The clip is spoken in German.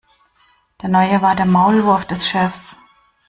Der Neue war der Maulwurf des Chefs.